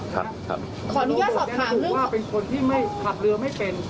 กลัวบอกว่าเป็นคนที่กลับเรือไม่เป็น